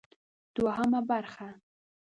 دوهمه برخه: